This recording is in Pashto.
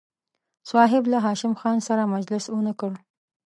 صاحب له هاشم خان سره مجلس ونه کړ.